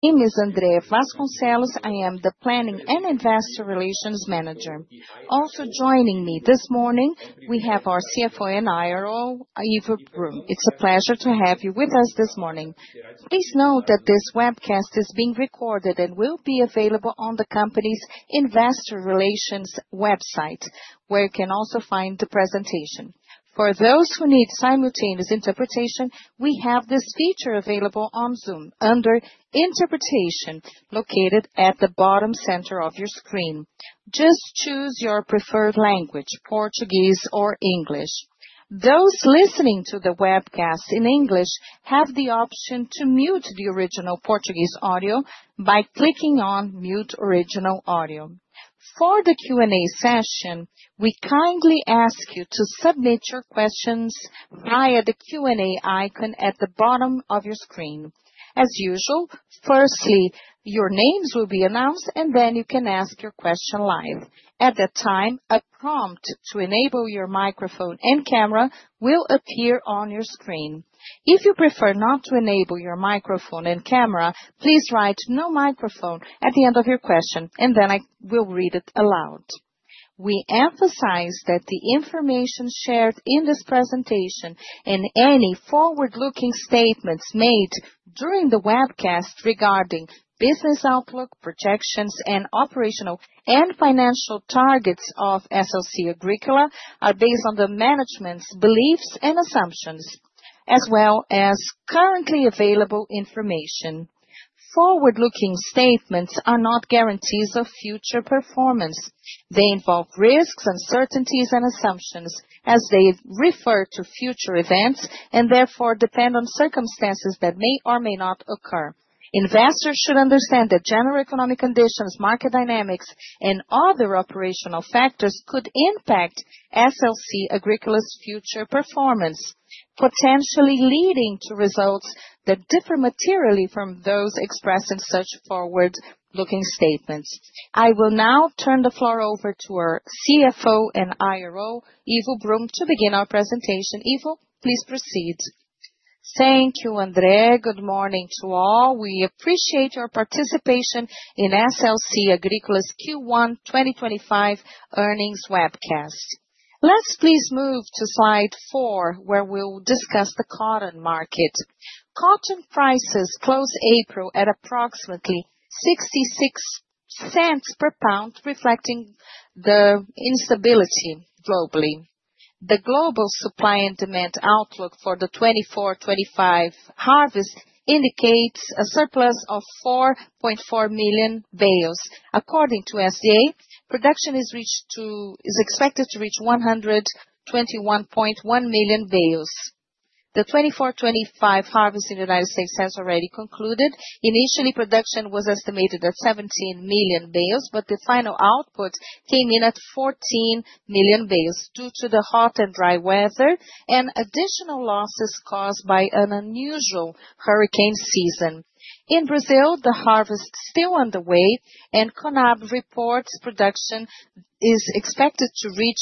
My name is André Vasconcelos. I am the Planning and Investor Relations Manager. Also joining me this morning, we have our CFO and IRO, Ivo Brum. It is a pleasure to have you with us this morning. Please note that this webcast is being recorded and will be available on the company's Investor Relations website, where you can also find the presentation. For those who need simultaneous interpretation, we have this feature available on Zoom under Interpretation, located at the bottom center of your screen. Just choose your preferred language: Portuguese or English. Those listening to the webcast in English have the option to mute the original Portuguese audio by clicking on Mute Original Audio. For the Q&A session, we kindly ask you to submit your questions via the Q&A icon at the bottom of your screen. As usual, firstly, your names will be announced, and then you can ask your question live. At that time, a prompt to enable your microphone and camera will appear on your screen. If you prefer not to enable your microphone and camera, please write "No microphone" at the end of your question, and then I will read it aloud. We emphasize that the information shared in this presentation and any forward-looking statements made during the webcast regarding business outlook, projections, and operational and financial targets of SLC Agrícola are based on the management's beliefs and assumptions, as well as currently available information. Forward-looking statements are not guarantees of future performance. They involve risks, uncertainties, and assumptions, as they refer to future events and therefore depend on circumstances that may or may not occur. Investors should understand that general economic conditions, market dynamics, and other operational factors could impact SLC Agrícola's future performance, potentially leading to results that differ materially from those expressed in such forward-looking statements. I will now turn the floor over to our CFO and IRO, Ivo Brum, to begin our presentation. Ivo, please proceed. Thank you, André. Good morning to all. We appreciate your participation in SLC Agrícola's Q1 2025 earnings webcast. Let's please move to slide four, where we'll discuss the cotton market. Cotton prices closed April at approximately $0.66 per pound, reflecting the instability globally. The global supply and demand outlook for the 2024-2025 harvest indicates a surplus of 4.4 million bales. According to USDA, production is expected to reach 121.1 million bales. The 2024-2025 harvest in the United States has already concluded. Initially, production was estimated at 17 million bales, but the final output came in at 14 million bales due to the hot and dry weather and additional losses caused by an unusual hurricane season. In Brazil, the harvest is still underway, and CONAB reports production is expected to reach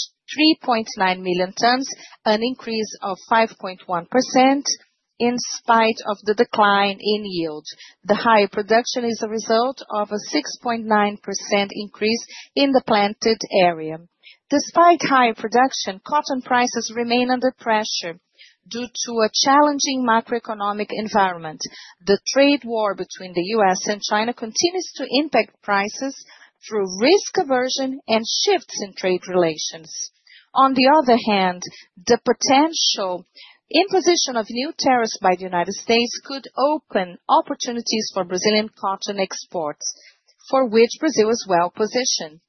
3.9 million tons, an increase of 5.1% in spite of the decline in yield. The higher production is a result of a 6.9% increase in the planted area. Despite higher production, cotton prices remain under pressure due to a challenging macroeconomic environment. The trade war between the U.S. and China continues to impact prices through risk aversion and shifts in trade relations. On the other hand, the potential imposition of new tariffs by the United States could open opportunities for Brazilian cotton exports, for which Brazil is well positioned.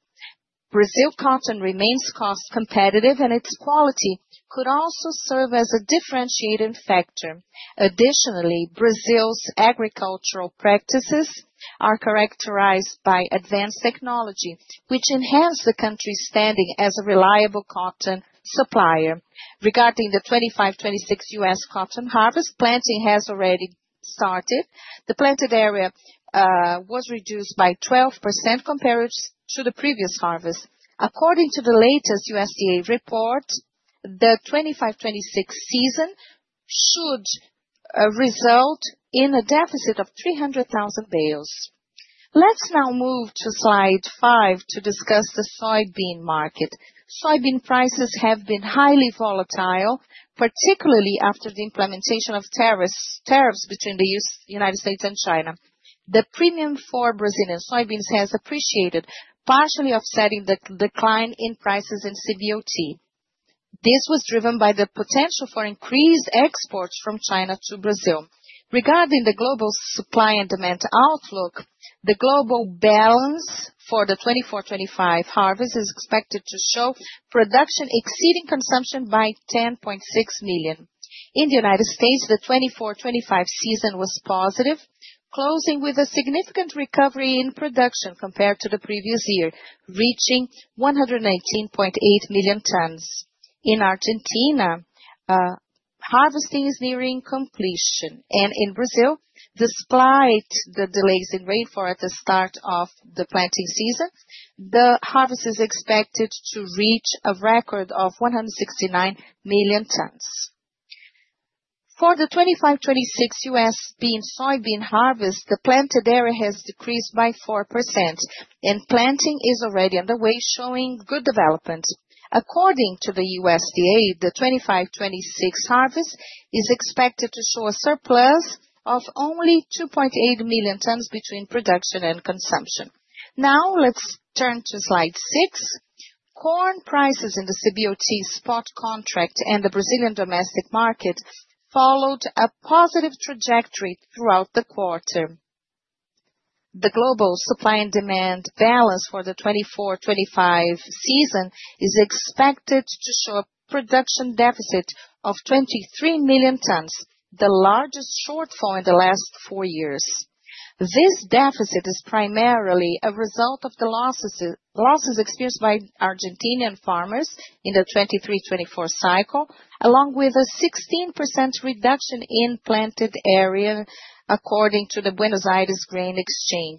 Brazil cotton remains cost competitive, and its quality could also serve as a differentiating factor. Additionally, Brazil's agricultural practices are characterized by advanced technology, which enhance the country's standing as a reliable cotton supplier. Regarding the 2025-2026 U.S. cotton harvest, planting has already started. The planted area was reduced by 12% compared to the previous harvest. According to the latest USDA report, the 2025-2026 season should result in a deficit of 300,000 bales. Let's now move to slide five to discuss the soybean market. Soybean prices have been highly volatile, particularly after the implementation of tariffs between the United States and China. The premium for Brazilian soybeans has appreciated, partially offsetting the decline in prices in CBOT. This was driven by the potential for increased exports from China to Brazil. Regarding the global supply and demand outlook, the global balance for the 2024-2025 harvest is expected to show production exceeding consumption by 10.6 million. In the United States, the 2024-2025 season was positive, closing with a significant recovery in production compared to the previous year, reaching 119.8 million tons. In Argentina, harvesting is nearing completion, and in Brazil, despite the delays in rainfall at the start of the planting season, the harvest is expected to reach a record of 169 million tons. For the 2025-2026 US soybean harvest, the planted area has decreased by 4%, and planting is already underway, showing good development. According to the USDA, the 2025-2026 harvest is expected to show a surplus of only 2.8 million tons between production and consumption. Now, let's turn to slide six. Corn prices in the CBOT spot contract and the Brazilian domestic market followed a positive trajectory throughout the quarter. The global supply and demand balance for the 2024-2025 season is expected to show a production deficit of 23 million tons, the largest shortfall in the last four years. This deficit is primarily a result of the losses experienced by Argentinian farmers in the 2023-2024 cycle, along with a 16% reduction in planted area, according to the Buenos Aires Grain Exchange.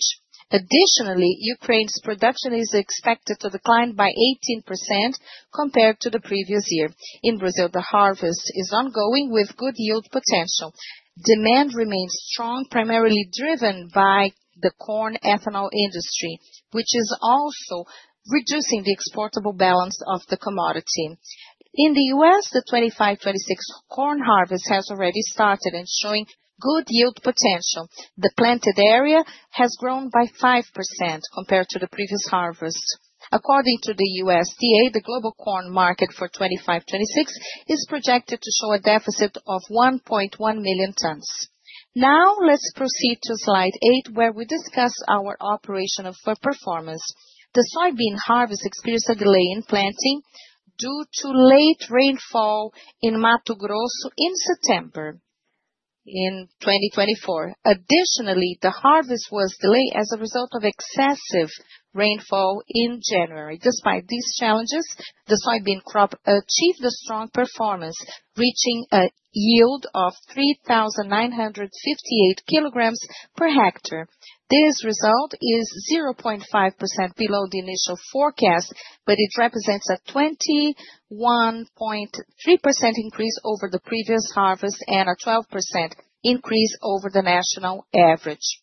Additionally, Ukraine's production is expected to decline by 18% compared to the previous year. In Brazil, the harvest is ongoing with good yield potential. Demand remains strong, primarily driven by the corn ethanol industry, which is also reducing the exportable balance of the commodity. In the U.S., the 2025-2026 corn harvest has already started and is showing good yield potential. The planted area has grown by 5% compared to the previous harvest. According to the USDA, the global corn market for 2025-2026 is projected to show a deficit of 1.1 million tons. Now, let's proceed to slide eight, where we discuss our operational performance. The soybean harvest experienced a delay in planting due to late rainfall in Mato Grosso in September in 2024. Additionally, the harvest was delayed as a result of excessive rainfall in January. Despite these challenges, the soybean crop achieved a strong performance, reaching a yield of 3,958 kilograms per hectare. This result is 0.5% below the initial forecast, but it represents a 21.3% increase over the previous harvest and a 12% increase over the national average.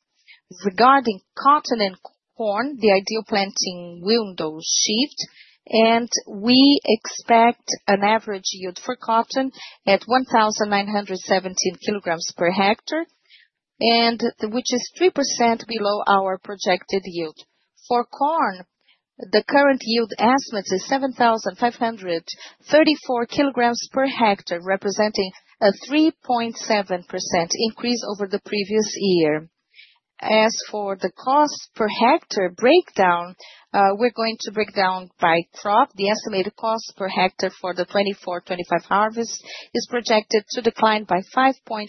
Regarding cotton and corn, the ideal planting window shifts, and we expect an average yield for cotton at 1,917 kg per hectare, which is 3% below our projected yield. For corn, the current yield estimate is 7,534 kg per hectare, representing a 3.7% increase over the previous year. As for the cost per hectare breakdown, we're going to break down by crop. The estimated cost per hectare for the 2024-2025 harvest is projected to decline by 5.4%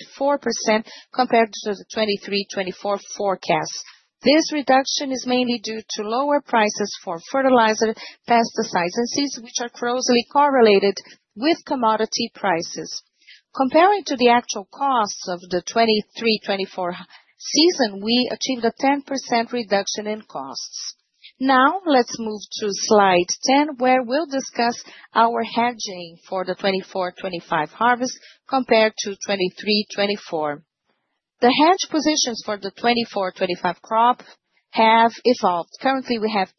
compared to the 2023-2024 forecast. This reduction is mainly due to lower prices for fertilizer, pesticides, and seeds, which are closely correlated with commodity prices. Comparing to the actual costs of the 2023-2024 season, we achieved a 10% reduction in costs. Now, let's move to slide 10, where we'll discuss our hedging for the 2024-2025 harvest compared to 2023-2024. The hedge positions for the 2024-2025 crop have evolved. Currently, we have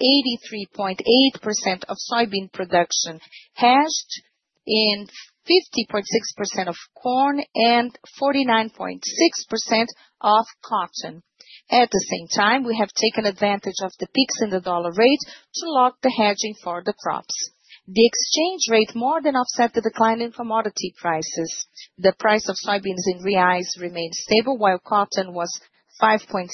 83.8% of soybean production hedged and 50.6% of corn and 49.6% of cotton. At the same time, we have taken advantage of the peaks in the dollar rate to lock the hedging for the crops. The exchange rate more than offset the decline in commodity prices. The price of soybeans in reais remained stable, while cotton was 5.6%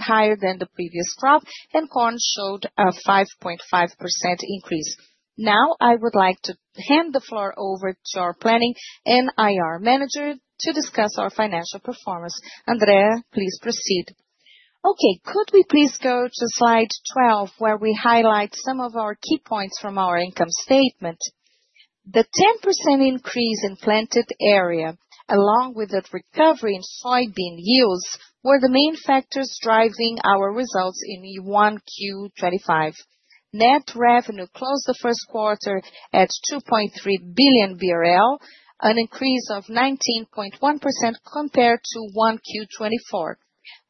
higher than the previous crop, and corn showed a 5.5% increase. Now, I would like to hand the floor over to our Planning and IRO Manager to discuss our financial performance. André, please proceed. Okay, could we please go to slide 12, where we highlight some of our key points from our income statement? The 10% increase in planted area, along with the recovery in soybean yields, were the main factors driving our results in Q1 2025. Net revenue closed the first quarter at 2.3 billion BRL, an increase of 19.1% compared to Q1 2024.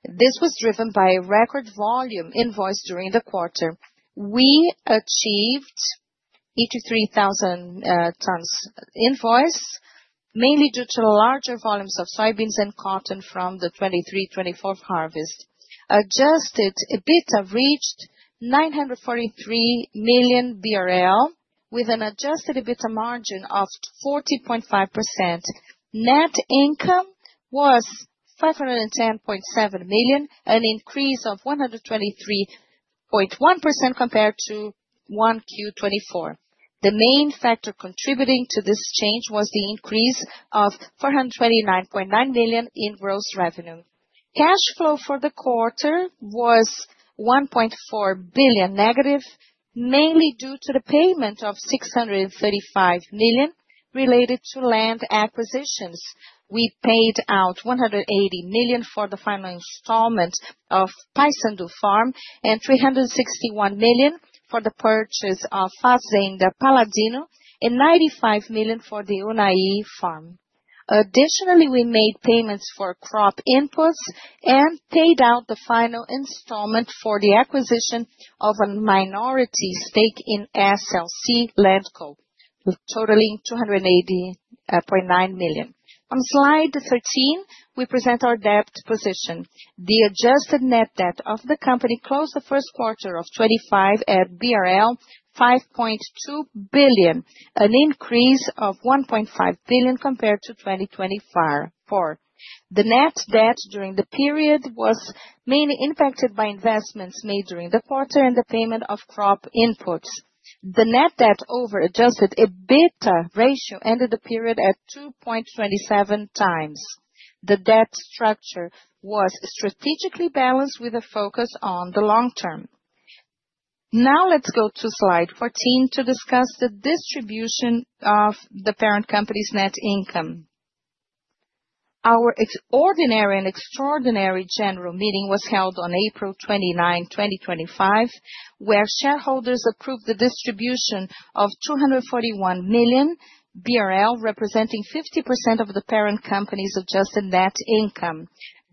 This was driven by a record volume invoice during the quarter. We achieved 83,000 tons invoice, mainly due to larger volumes of soybeans and cotton from the 2023-2024 harvest. Adjusted EBITDA reached 943 million BRL, with an adjusted EBITDA margin of 40.5%. Net income was 510.7 million, an increase of 123.1% compared to Q1 2024. The main factor contributing to this change was the increase of 429.9 million in gross revenue. Cash flow for the quarter was 1.4 billion negative, mainly due to the payment of 635 million related to land acquisitions. We paid out 180 million for the final installment of Paysandu Farm and 361 million for the purchase of Fazenda Paladino and 95 million for the Unaí Farm. Additionally, we made payments for crop inputs and paid out the final installment for the acquisition of a minority stake in SLC LandCo, totaling 280.9 million. On slide 13, we present our debt position. The adjusted net debt of the company closed the first quarter of 2025 at BRL 5.2 billion, an increase of 1.5 billion compared to 2024. The net debt during the period was mainly impacted by investments made during the quarter and the payment of crop inputs. The net debt over adjusted EBITDA ratio ended the period at 2.27 times. The debt structure was strategically balanced with a focus on the long term. Now, let's go to slide 14 to discuss the distribution of the parent company's net income. Our ordinary and extraordinary general meeting was held on April 29, 2025, where shareholders approved the distribution of 241 million BRL, representing 50% of the parent company's adjusted net income.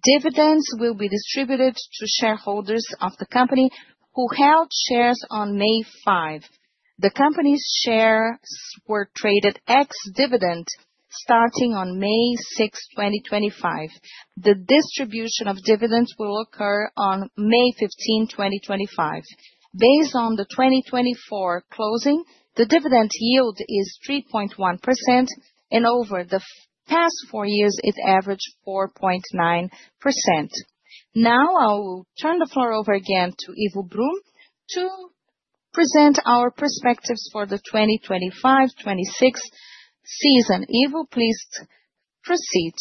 Dividends will be distributed to shareholders of the company who held shares on May 5. The company's shares were traded ex-dividend starting on May 6, 2025. The distribution of dividends will occur on May 15, 2025. Based on the 2024 closing, the dividend yield is 3.1%, and over the past four years, it averaged 4.9%. Now, I will turn the floor over again to Ivo Brum to present our perspectives for the 2025-2026 season. Ivo, please proceed.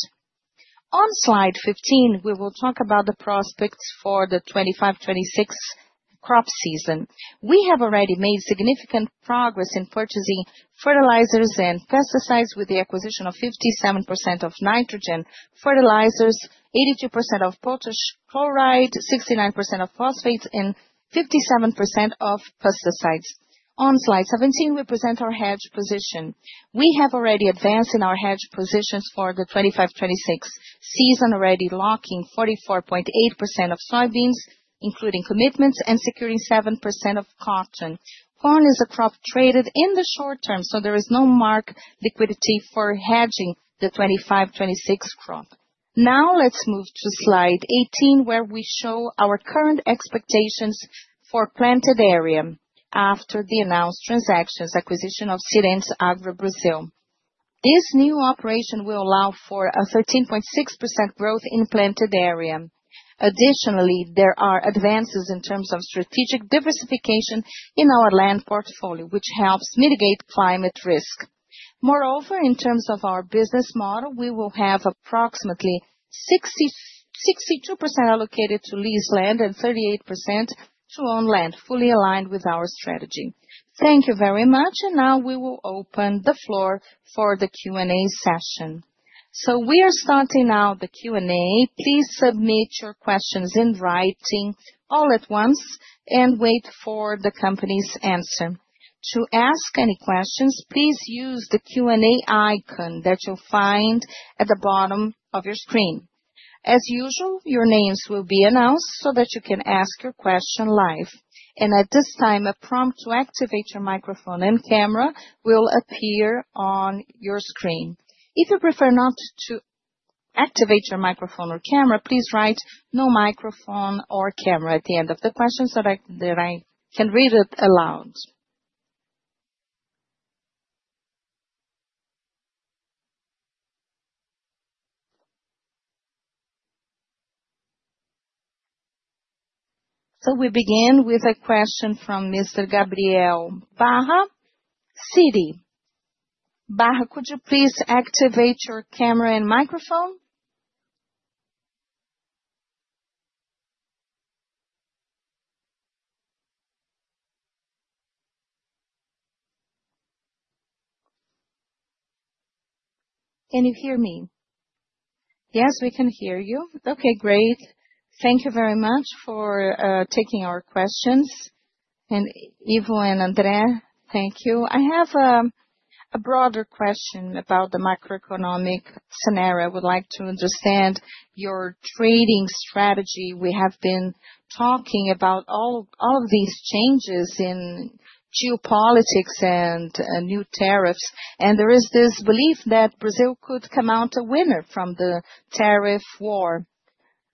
On slide 15, we will talk about the prospects for the 2025-2026 crop season. We have already made significant progress in purchasing fertilizers and pesticides with the acquisition of 57% of nitrogen fertilizers, 82% of potash chloride, 69% of phosphates, and 57% of pesticides. On slide 17, we present our hedge position. We have already advanced in our hedge positions for the 2025-2026 season, already locking 44.8% of soybeans, including commitments, and securing 7% of cotton. Corn is a crop traded in the short term, so there is no marked liquidity for hedging the 25-26 crop. Now, let's move to slide 18, where we show our current expectations for planted area after the announced transactions, acquisition of Sirent Agro Brazil. This new operation will allow for a 13.6% growth in planted area. Additionally, there are advances in terms of strategic diversification in our land portfolio, which helps mitigate climate risk. Moreover, in terms of our business model, we will have approximately 62% allocated to leased land and 38% to own land, fully aligned with our strategy. Thank you very much, and now we will open the floor for the Q&A session. We are starting now the Q&A. Please submit your questions in writing all at once and wait for the company's answer. To ask any questions, please use the Q&A icon that you'll find at the bottom of your screen. As usual, your names will be announced so that you can ask your question live. At this time, a prompt to activate your microphone and camera will appear on your screen. If you prefer not to activate your microphone or camera, please write "no microphone or camera" at the end of the questions so that I can read it aloud. We begin with a question from Mr. Gabriel Barra, Citi. Barra, could you please activate your camera and microphone? Can you hear me? Yes, we can hear you. Okay, great. Thank you very much for taking our questions. Ivo and André, thank you. I have a broader question about the macroeconomic scenario. I would like to understand your trading strategy. We have been talking about all of these changes in geopolitics and new tariffs, and there is this belief that Brazil could come out a winner from the tariff war,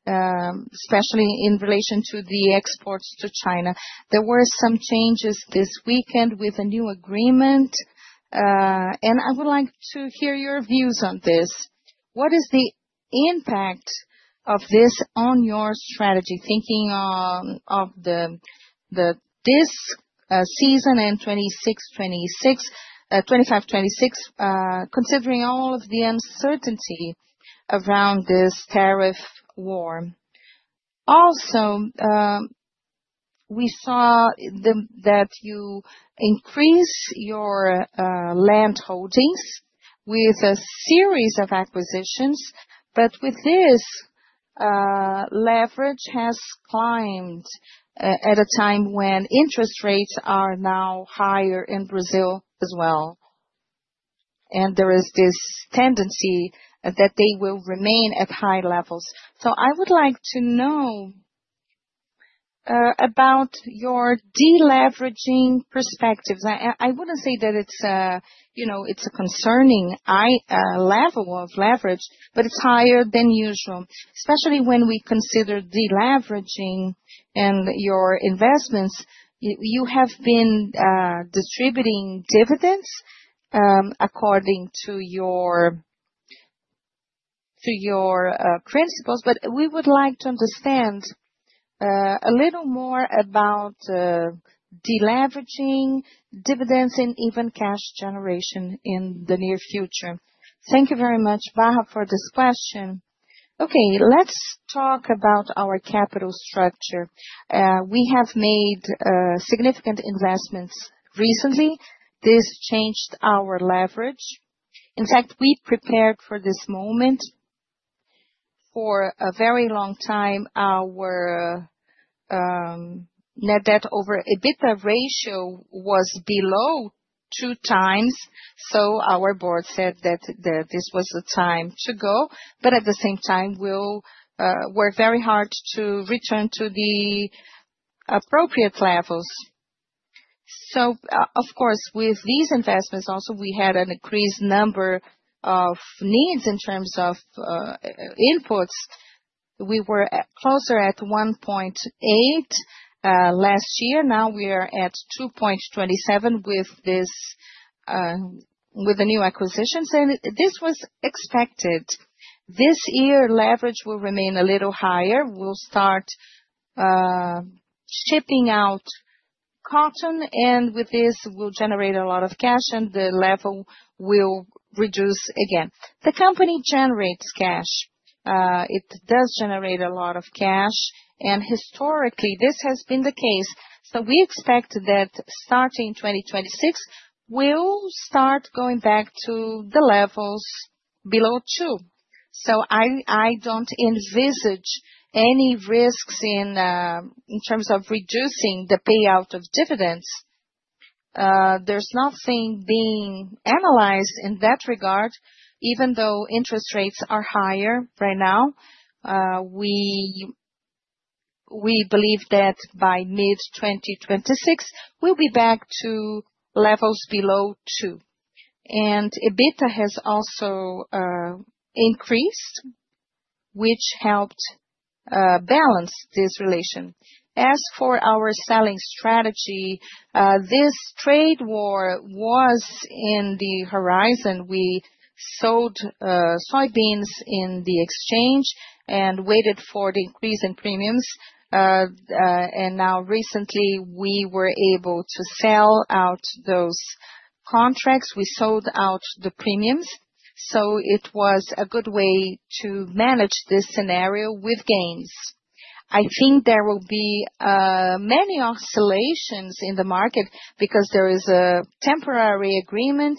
especially in relation to the exports to China. There were some changes this weekend with a new agreement, and I would like to hear your views on this. What is the impact of this on your strategy, thinking of this season and 2025-2026, considering all of the uncertainty around this tariff war? Also, we saw that you increased your land holdings with a series of acquisitions, but with this leverage has climbed at a time when interest rates are now higher in Brazil as well. There is this tendency that they will remain at high levels. I would like to know about your deleveraging perspectives. I wouldn't say that it's a concerning level of leverage, but it's higher than usual, especially when we consider deleveraging and your investments. You have been distributing dividends according to your principles, but we would like to understand a little more about deleveraging, dividends, and even cash generation in the near future. Thank you very much, Barra, for this question. Okay, let's talk about our capital structure. We have made significant investments recently. This changed our leverage. In fact, we prepared for this moment. For a very long time, our net debt over EBITDA ratio was below two times, so our board said that this was the time to go. At the same time, we'll work very hard to return to the appropriate levels. Of course, with these investments, also, we had an increased number of needs in terms of inputs. We were closer at 1.8 last year. Now we are at 2.27 with the new acquisitions, and this was expected. This year, leverage will remain a little higher. We'll start shipping out cotton, and with this, we'll generate a lot of cash, and the level will reduce again. The company generates cash. It does generate a lot of cash, and historically, this has been the case. We expect that starting 2026, we'll start going back to the levels below two. I don't envisage any risks in terms of reducing the payout of dividends. There's nothing being analyzed in that regard, even though interest rates are higher right now. We believe that by mid-2026, we'll be back to levels below two. EBITDA has also increased, which helped balance this relation. As for our selling strategy, this trade war was in the horizon. We sold soybeans in the exchange and waited for the increase in premiums. Now, recently, we were able to sell out those contracts. We sold out the premiums. It was a good way to manage this scenario with gains. I think there will be many oscillations in the market because there is a temporary agreement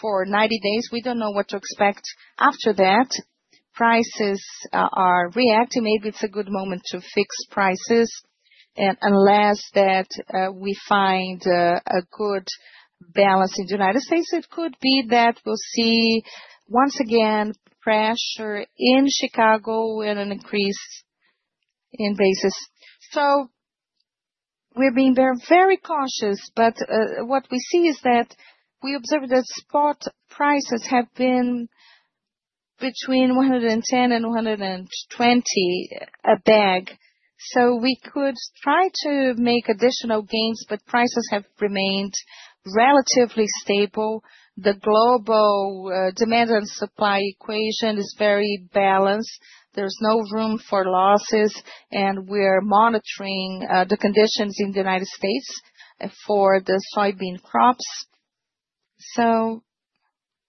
for 90 days. We do not know what to expect after that. Prices are reacting. Maybe it is a good moment to fix prices. Unless we find a good balance in the United States, it could be that we will see once again pressure in Chicago and an increase in basis. We are being very cautious, but what we see is that we observe that spot prices have been between 110 and 120 a bag. We could try to make additional gains, but prices have remained relatively stable. The global demand and supply equation is very balanced. There's no room for losses, and we're monitoring the conditions in the United States for the soybean crops.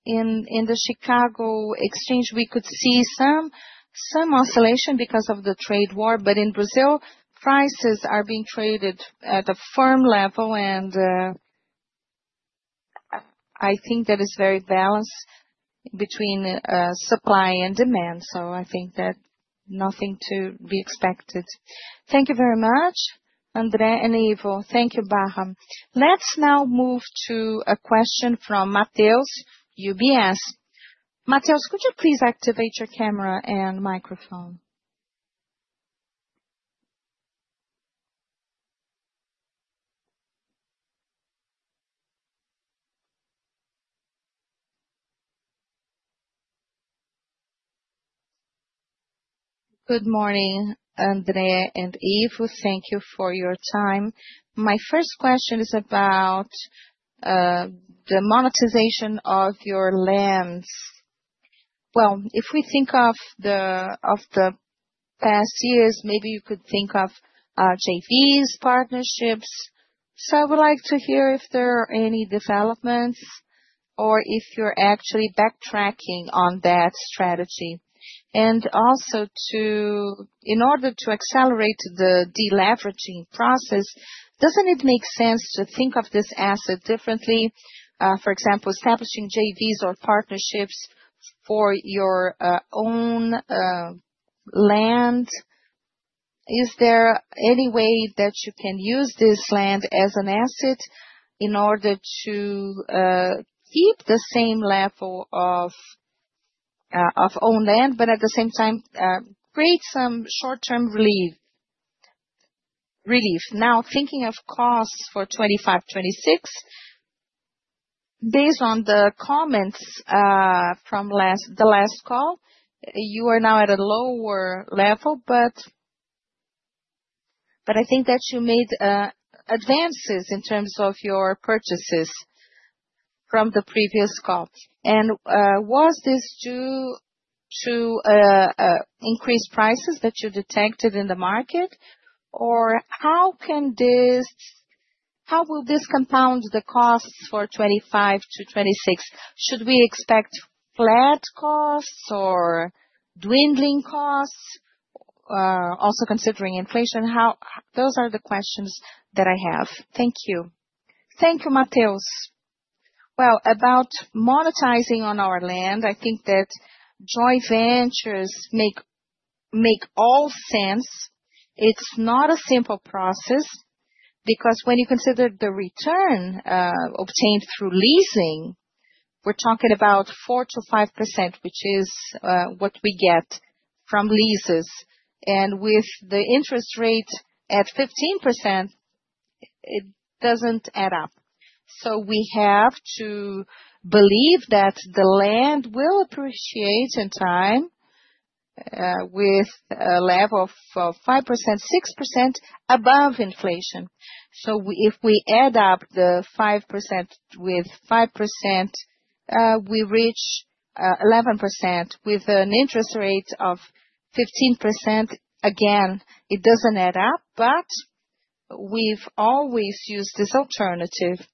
In the Chicago exchange, we could see some oscillation because of the trade war, but in Brazil, prices are being traded at a firm level, and I think that is very balanced between supply and demand. I think that nothing to be expected. Thank you very much, Andrea, and Ivo. Thank you, Barra. Let's now move to a question from Matheus, UBS. Matheus, could you please activate your camera and microphone? Good morning, Andrea and Ivo. Thank you for your time. My first question is about the monetization of your lands. If we think of the past years, maybe you could think of JVs, partnerships. I would like to hear if there are any developments or if you're actually backtracking on that strategy. Also, in order to accelerate the deleveraging process, does it not make sense to think of this asset differently? For example, establishing JVs or partnerships for your own land. Is there any way that you can use this land as an asset in order to keep the same level of own land, but at the same time, create some short-term relief? Now, thinking of costs for 2025-2026, based on the comments from the last call, you are now at a lower level, but I think that you made advances in terms of your purchases from the previous call. Was this due to increased prices that you detected in the market, or how will this compound the costs for 2025-2026? Should we expect flat costs or dwindling costs, also considering inflation? Those are the questions that I have. Thank you. Thank you, Mateus. About monetizing on our land, I think that Joy Ventures makes all sense. It's not a simple process because when you consider the return obtained through leasing, we're talking about 4%-5%, which is what we get from leases. With the interest rate at 15%, it doesn't add up. We have to believe that the land will appreciate in time with a level of 5%-6% above inflation. If we add up the 5% with 5%, we reach 11% with an interest rate of 15%. It doesn't add up, but we've always used this alternative.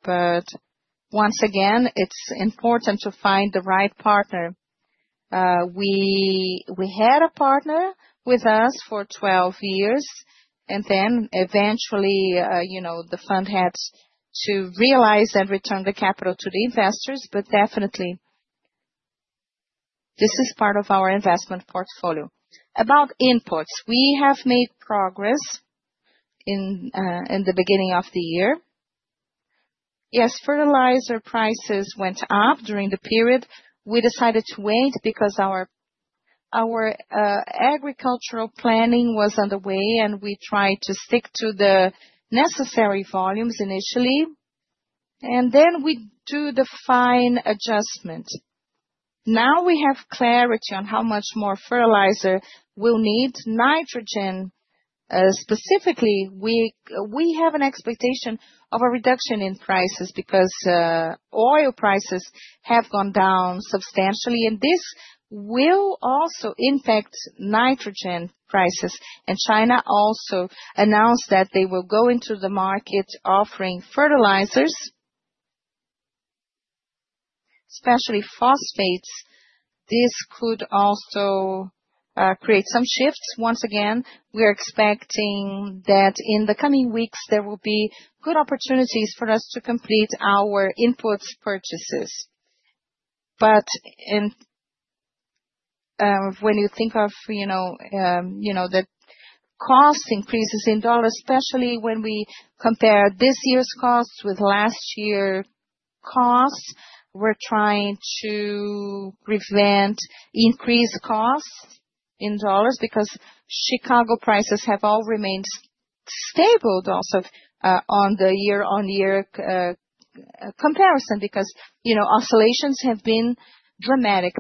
Once again, it's important to find the right partner. We had a partner with us for 12 years, and then eventually, the fund had to realize and return the capital to the investors, but definitely, this is part of our investment portfolio. About inputs, we have made progress in the beginning of the year. Yes, fertilizer prices went up during the period. We decided to wait because our agricultural planning was underway, and we tried to stick to the necessary volumes initially, and then we do the fine adjustment. Now we have clarity on how much more fertilizer we'll need. Nitrogen, specifically, we have an expectation of a reduction in prices because oil prices have gone down substantially, and this will also impact nitrogen prices. China also announced that they will go into the market offering fertilizers, especially phosphates. This could also create some shifts. Once again, we're expecting that in the coming weeks, there will be good opportunities for us to complete our inputs purchases. When you think of the cost increases in dollars, especially when we compare this year's costs with last year's costs, we're trying to prevent increased costs in dollars because Chicago prices have all remained stable also on the year-on-year comparison because oscillations have been dramatic.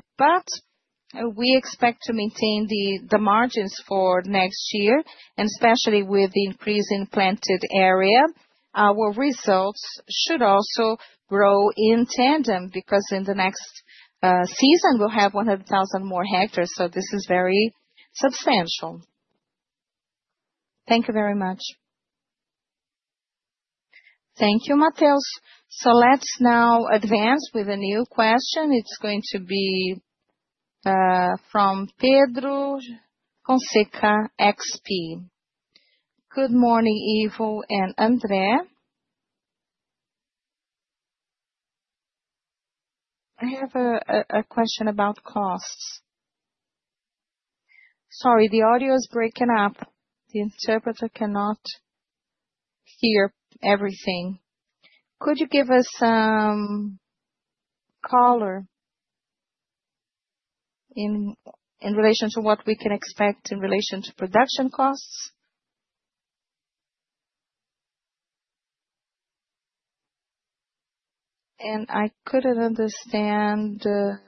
We expect to maintain the margins for next year, and especially with the increase in planted area, our results should also grow in tandem because in the next season, we'll have 100,000 more hectares. This is very substantial. Thank you very much. Thank you, Mateus. Let's now advance with a new question. It's going to be from Pedro Fonseca, XP. Good morning, Ivo and André. I have a question about costs. Sorry, the audio is breaking up. The interpreter cannot hear everything. Could you give us some color in relation to what we can expect in relation to production costs? I could not understand the.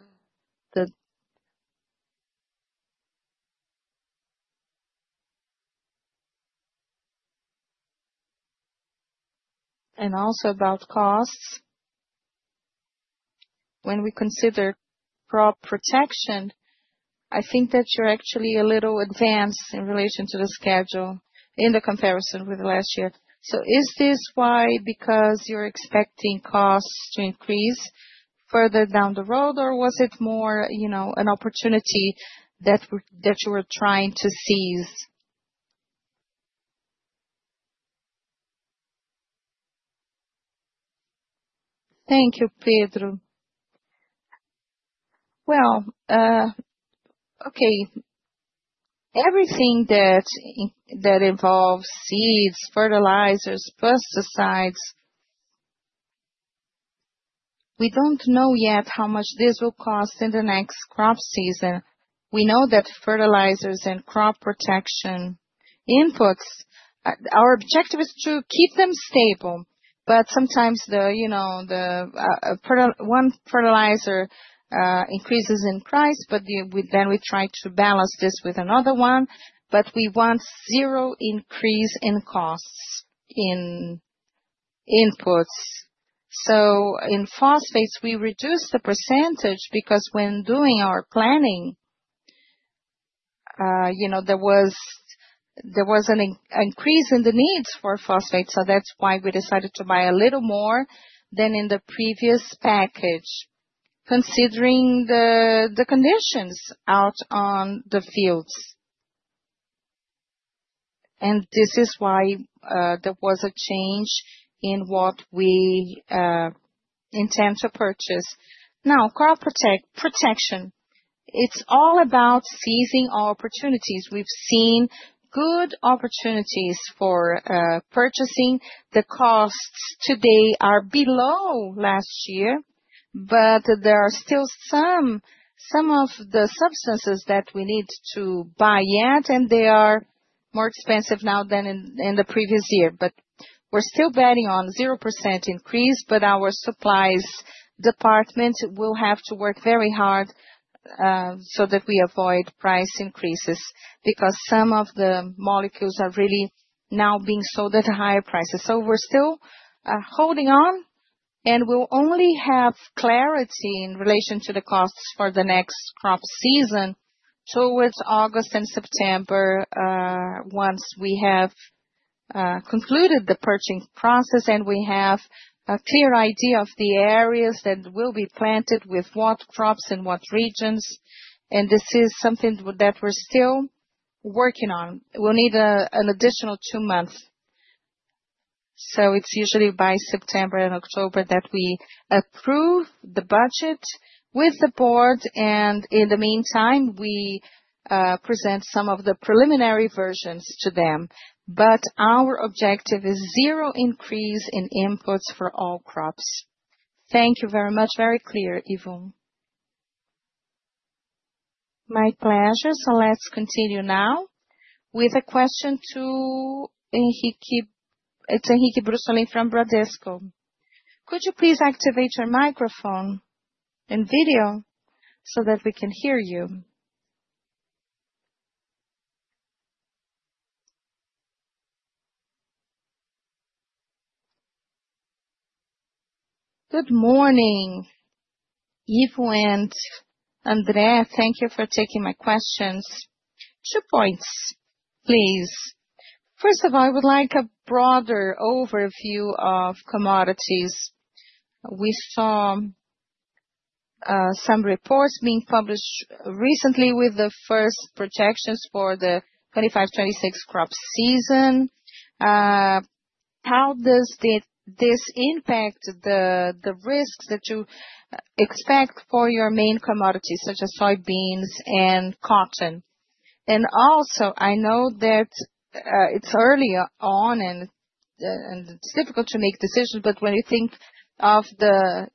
Also about costs. When we consider crop protection, I think that you are actually a little advanced in relation to the schedule in the comparison with last year. Is this why, because you are expecting costs to increase further down the road, or was it more an opportunity that you were trying to seize? Thank you, Pedro. Okay. Everything that involves seeds, fertilizers, pesticides, we do not know yet how much this will cost in the next crop season. We know that fertilizers and crop protection inputs, our objective is to keep them stable. Sometimes one fertilizer increases in price, but then we try to balance this with another one. We want zero increase in costs in inputs. In phosphates, we reduce the percentage because when doing our planning, there was an increase in the needs for phosphate. That is why we decided to buy a little more than in the previous package, considering the conditions out on the fields. This is why there was a change in what we intend to purchase. Now, crop protection, it is all about seizing opportunities. We have seen good opportunities for purchasing. The costs today are below last year, but there are still some of the substances that we need to buy yet, and they are more expensive now than in the previous year. We are still betting on a 0% increase, but our supplies department will have to work very hard so that we avoid price increases because some of the molecules are really now being sold at a higher price. We're still holding on, and we'll only have clarity in relation to the costs for the next crop season towards August and September once we have concluded the purchasing process and we have a clear idea of the areas that will be planted with what crops and what regions. This is something that we're still working on. We'll need an additional two months. It's usually by September and October that we approve the budget with the board. In the meantime, we present some of the preliminary versions to them. Our objective is zero increase in inputs for all crops. Thank you very much. Very clear, Ivo. My pleasure. Let's continue now with a question to Henrique Bruce from Bradesco. Could you please activate your microphone and video so that we can hear you? Good morning, Ivo and André. Thank you for taking my questions. Two points, please. First of all, I would like a broader overview of commodities. We saw some reports being published recently with the first projections for the 2025-2026 crop season. How does this impact the risks that you expect for your main commodities, such as soybeans and cotton? Also, I know that it is early on and it is difficult to make decisions, but when you think of the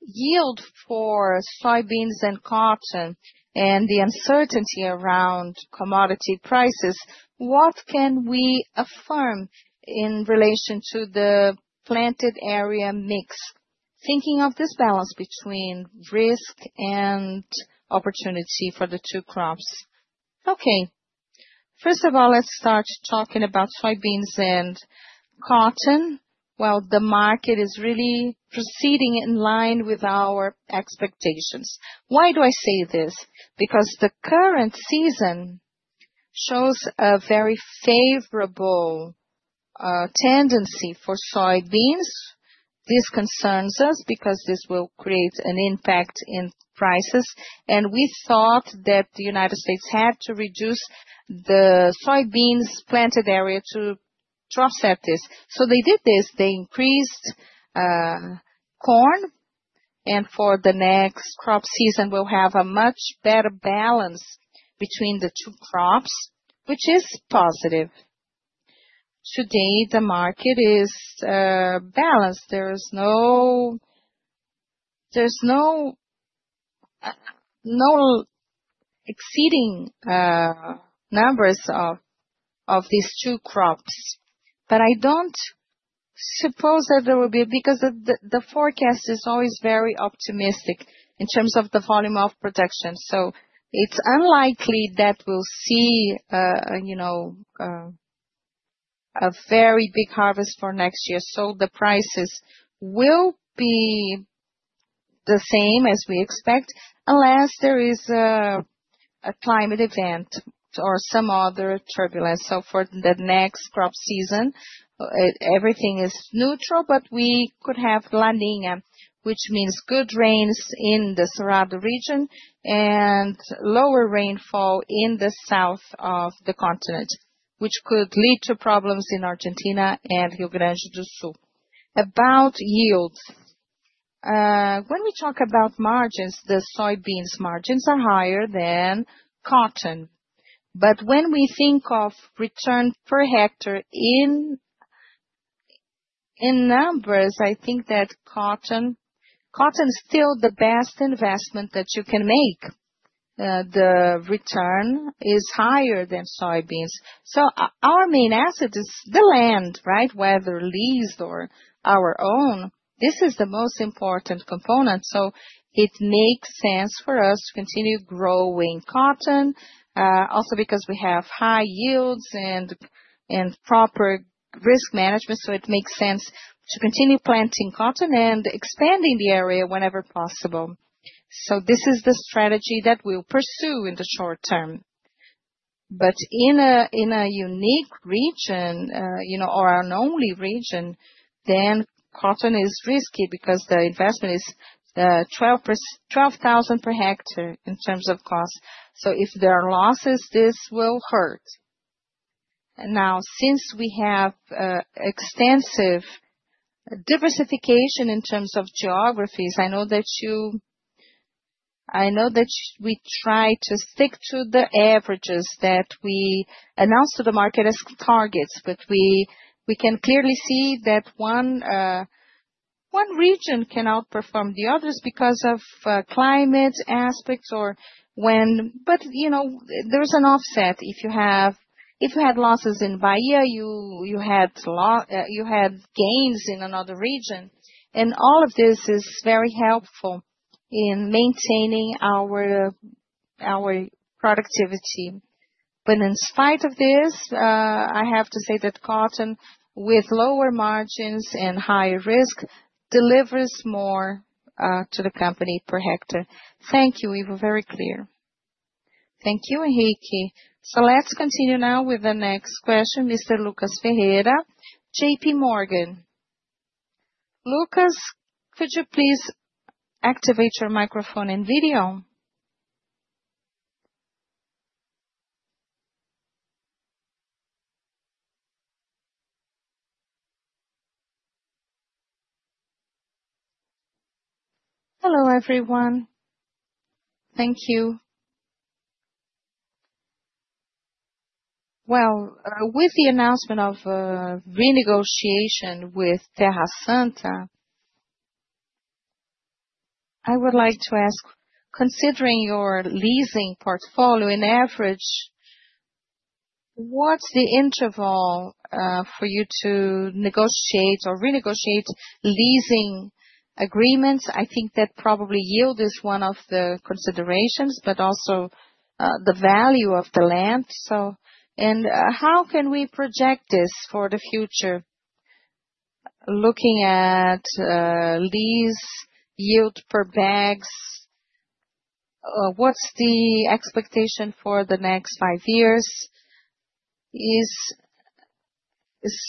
yield for soybeans and cotton and the uncertainty around commodity prices, what can we affirm in relation to the planted area mix? Thinking of this balance between risk and opportunity for the two crops. Okay. First of all, let's start talking about soybeans and cotton. The market is really proceeding in line with our expectations. Why do I say this? Because the current season shows a very favorable tendency for soybeans. This concerns us because this will create an impact in prices. We thought that the United States had to reduce the soybeans planted area to offset this. They did this. They increased corn. For the next crop season, we'll have a much better balance between the two crops, which is positive. Today, the market is balanced. There's no exceeding numbers of these two crops. I don't suppose that there will be because the forecast is always very optimistic in terms of the volume of production. It's unlikely that we'll see a very big harvest for next year. The prices will be the same as we expect unless there is a climate event or some other turbulence. For the next crop season, everything is neutral, but we could have La Niña, which means good rains in the Cerrado region and lower rainfall in the south of the continent, which could lead to problems in Argentina and Rio Grande do Sul. About yields, when we talk about margins, the soybeans' margins are higher than cotton. But when we think of return per hectare in numbers, I think that cotton is still the best investment that you can make. The return is higher than soybeans. Our main asset is the land, right? Whether leased or our own, this is the most important component. It makes sense for us to continue growing cotton, also because we have high yields and proper risk management. It makes sense to continue planting cotton and expanding the area whenever possible. This is the strategy that we'll pursue in the short term. In a unique region or an only region, then cotton is risky because the investment is 12,000 per hectare in terms of cost. If there are losses, this will hurt. Now, since we have extensive diversification in terms of geographies, I know that we try to stick to the averages that we announced to the market as targets. We can clearly see that one region can outperform the others because of climate aspects or when, but there's an offset. If you had losses in Bahia, you had gains in another region. All of this is very helpful in maintaining our productivity. In spite of this, I have to say that cotton, with lower margins and higher risk, delivers more to the company per hectare. Thank you, Ivo. Very clear. Thank you, Henrique. Let's continue now with the next question, Mr. Lucas Ferreira, J.P. Morgan. Lucas, could you please activate your microphone and video? Hello, everyone. Thank you. With the announcement of renegotiation with Terra Santa, I would like to ask, considering your leasing portfolio on average, what's the interval for you to negotiate or renegotiate leasing agreements? I think that probably yield is one of the considerations, but also the value of the land. How can we project this for the future? Looking at lease yield per bags, what's the expectation for the next five years? Is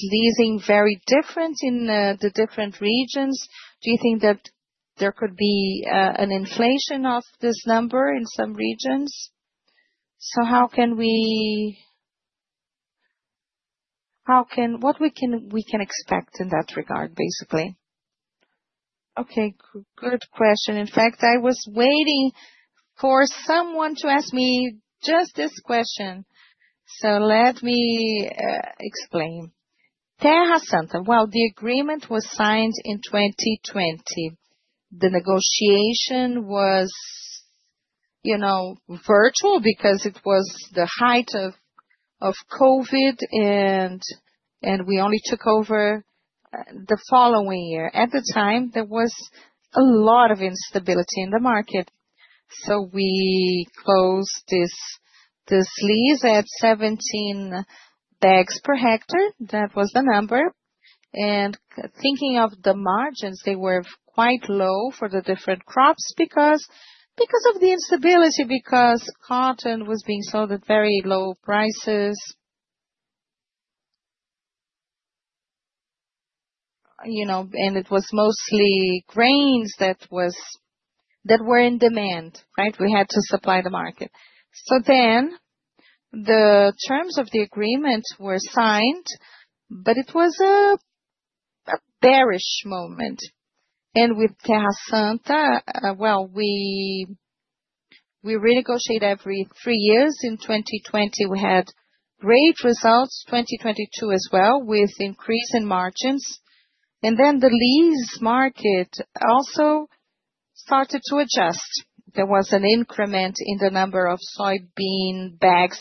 leasing very different in the different regions? Do you think that there could be an inflation of this number in some regions? What can we expect in that regard, basically? Okay. Good question. In fact, I was waiting for someone to ask me just this question. Let me explain. Terra Santa, the agreement was signed in 2020. The negotiation was virtual because it was the height of COVID, and we only took over the following year. At the time, there was a lot of instability in the market. We closed this lease at 17 bags per hectare. That was the number. Thinking of the margins, they were quite low for the different crops because of the instability, because cotton was being sold at very low prices. It was mostly grains that were in demand, right? We had to supply the market. The terms of the agreement were signed, but it was a bearish moment. With Terra Santa, we renegotiate every three years. In 2020, we had great results, 2022 as well, with increase in margins. The lease market also started to adjust. There was an increment in the number of soybean bags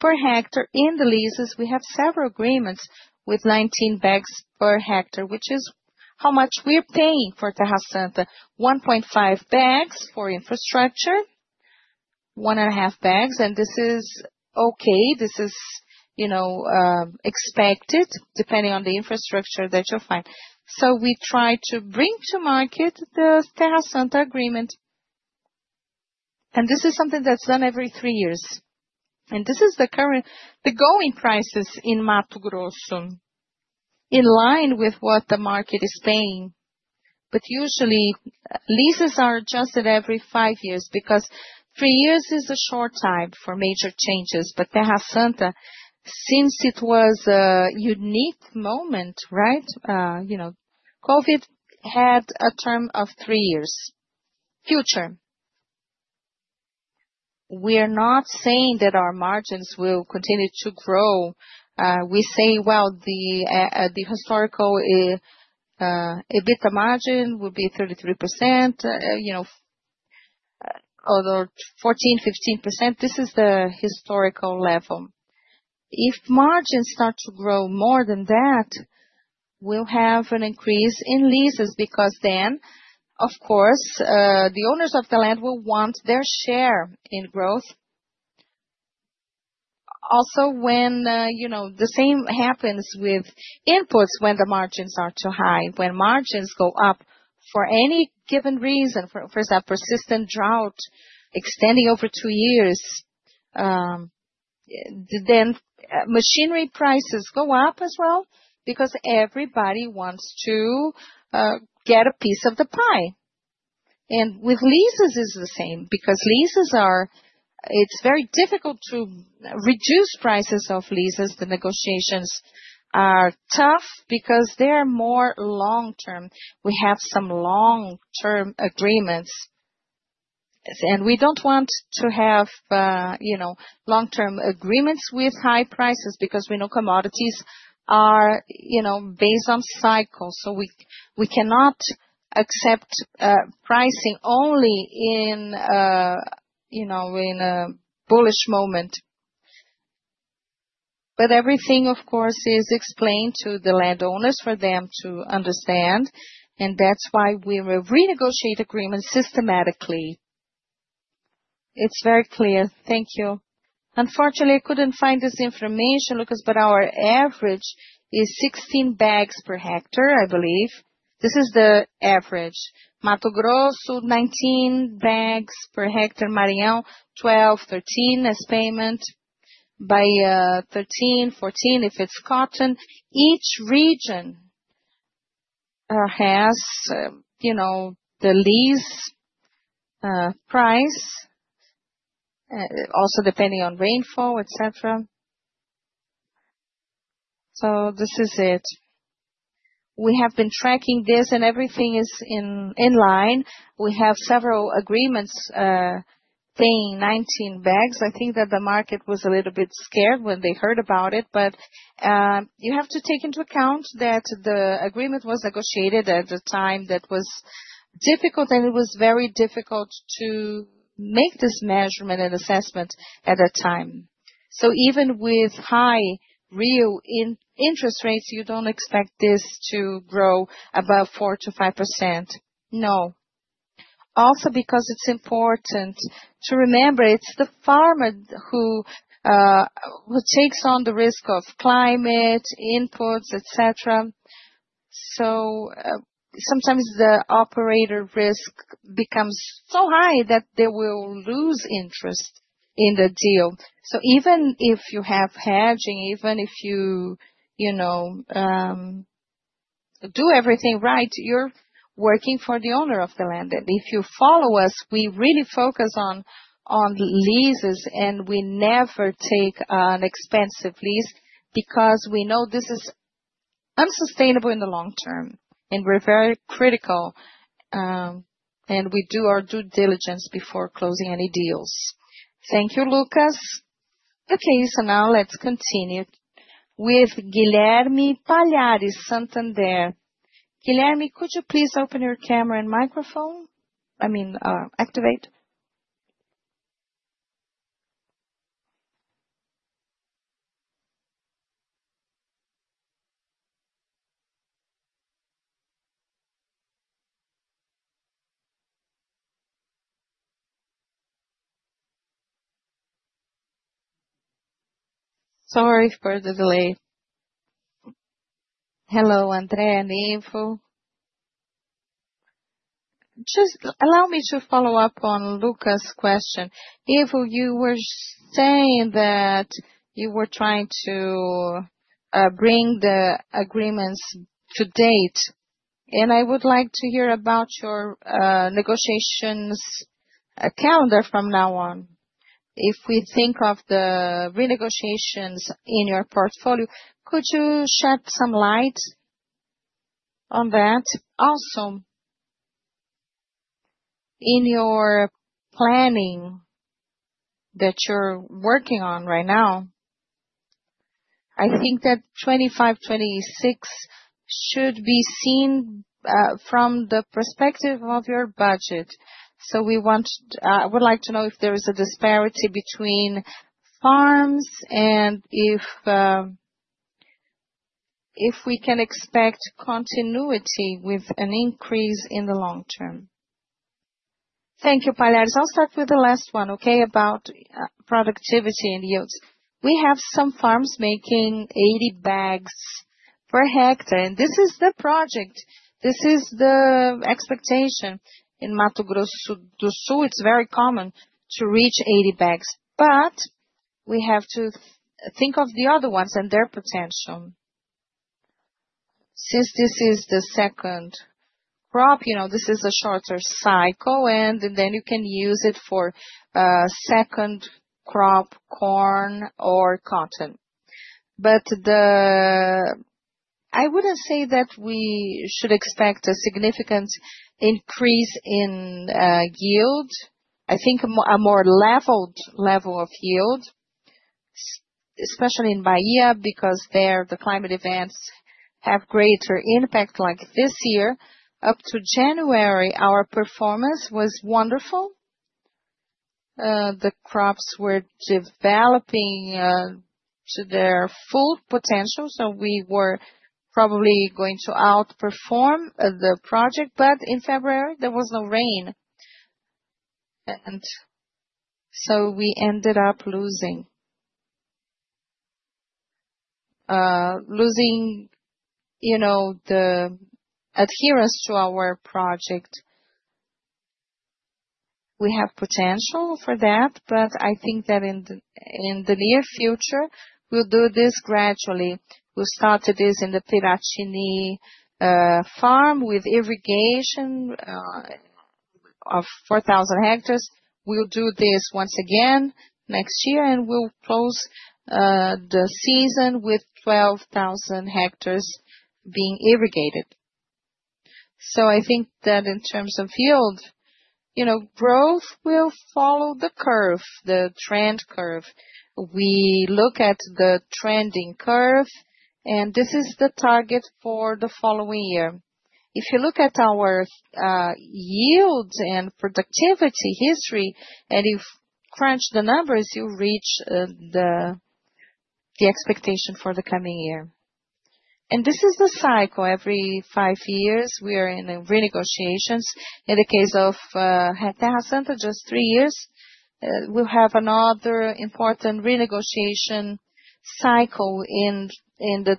per hectare. In the leases, we have several agreements with 19 bags per hectare, which is how much we're paying for Terra Santa. 1.5 bags for infrastructure, 1.5 bags. This is okay. This is expected depending on the infrastructure that you'll find. We try to bring to market the Terra Santa agreement. This is something that's done every three years. This is the current, the going prices in Mato Grosso, in line with what the market is paying. Usually, leases are adjusted every five years because three years is a short time for major changes. Terra Santa, since it was a unique moment, right? COVID had a term of three years. Future. We're not saying that our margins will continue to grow. The historical EBITDA margin will be 33%, although 14-15%. This is the historical level. If margins start to grow more than that, we will have an increase in leases because, of course, the owners of the land will want their share in growth. Also, the same happens with inputs. When the margins are too high, when margins go up for any given reason, for example, persistent drought extending over two years, machinery prices go up as well because everybody wants to get a piece of the pie. With leases, it is the same because leases, it is very difficult to reduce prices of leases. The negotiations are tough because they are more long-term. We have some long-term agreements. We do not want to have long-term agreements with high prices because we know commodities are based on cycles. We cannot accept pricing only in a bullish moment. Everything, of course, is explained to the landowners for them to understand. That is why we will renegotiate agreements systematically. It is very clear. Thank you. Unfortunately, I could not find this information, Lucas, but our average is 16 bags per hectare, I believe. This is the average. Mato Grosso, 19 bags per hectare. Marião, 12-13 as payment. Bahia, 13-14 if it is cotton. Each region has the lease price, also depending on rainfall, etc. This is it. We have been tracking this and everything is in line. We have several agreements paying 19 bags. I think that the market was a little bit scared when they heard about it. You have to take into account that the agreement was negotiated at a time that was difficult, and it was very difficult to make this measurement and assessment at that time. Even with high real interest rates, you do not expect this to grow above 4%-5%. Also, because it is important to remember it is the farmer who takes on the risk of climate, inputs, etc. Sometimes the operator risk becomes so high that they will lose interest in the deal. Even if you have hedging, even if you do everything right, you are working for the owner of the land. If you follow us, we really focus on leases, and we never take an expensive lease because we know this is unsustainable in the long term. We are very critical, and we do our due diligence before closing any deals. Thank you, Lucas. Okay. Now let's continue with Guilherme Palhares, Santander. Guilherme, could you please open your camera and microphone? I mean, activate? Sorry for the delay. Hello, André and Ivo. Just allow me to follow up on Lucas' question. Ivo, you were saying that you were trying to bring the agreements to date. I would like to hear about your negotiations calendar from now on. If we think of the renegotiations in your portfolio, could you shed some light on that? Also, in your planning that you're working on right now, I think that 2025, 2026 should be seen from the perspective of your budget. I would like to know if there is a disparity between farms and if we can expect continuity with an increase in the long term. Thank you, Palhares. I'll start with the last one, okay, about productivity and yields. We have some farms making 80 bags per hectare. This is the project. This is the expectation. In Mato Grosso do Sul, it's very common to reach 80 bags. We have to think of the other ones and their potential. Since this is the second crop, this is a shorter cycle, and then you can use it for second crop, corn, or cotton. I wouldn't say that we should expect a significant increase in yield. I think a more leveled level of yield, especially in Bahia, because there the climate events have greater impact. Like this year, up to January, our performance was wonderful. The crops were developing to their full potential. We were probably going to outperform the project. In February, there was no rain. We ended up losing the adherence to our project. We have potential for that, but I think that in the near future, we'll do this gradually. We started this in the Piracini farm with irrigation of 4,000 hectares. We'll do this once again next year, and we'll close the season with 12,000 hectares being irrigated. I think that in terms of yield, growth will follow the curve, the trend curve. We look at the trending curve, and this is the target for the following year. If you look at our yields and productivity history, and you crunch the numbers, you reach the expectation for the coming year. This is the cycle. Every five years, we are in renegotiations. In the case of Terra Santa, just three years, we'll have another important renegotiation cycle in the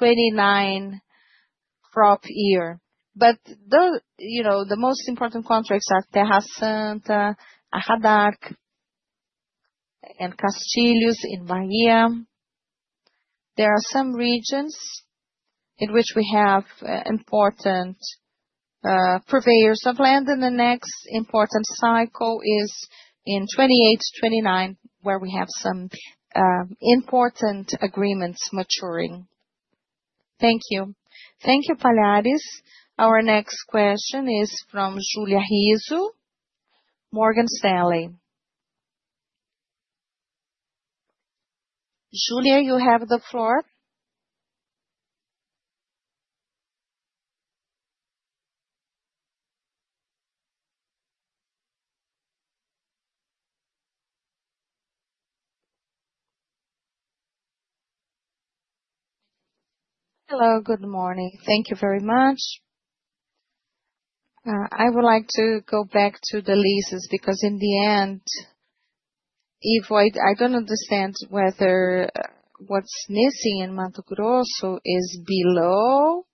2028-2029 crop year. The most important contracts are Terra Santa, Arradac, and Castillos in Bahia. There are some regions in which we have important purveyors of land. The next important cycle is in 2028, 2029, where we have some important agreements maturing. Thank you. Thank you, Palhares. Our next question is from Julia Rizzo, Morgan Stanley. Julia, you have the floor. Hello. Good morning. Thank you very much. I would like to go back to the leases because in the end, Ivo, I do not understand whether what is missing in Mato Grosso is below.